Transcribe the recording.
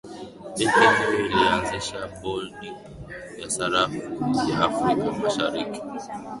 benki hiyo ilianzisha bodi ya sarafu ya afrika mashariki